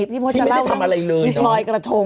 พี่มดจะเล่าว่ามีรอยกระทง